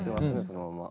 そのまま。